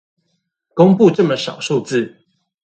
公佈這麼少數字